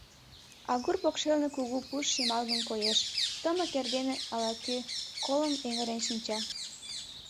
Агур покшелне кугу пуш шемалгын коеш, тымык эрдене ала-кӧ колым эҥырен шинча.